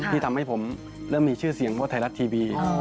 ที่ทำให้ผมเริ่มมีชื่อเสียงพวกไทยรัฐทีวี